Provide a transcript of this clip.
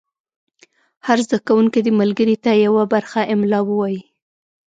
هر زده کوونکی دې ملګري ته یوه برخه املا ووایي.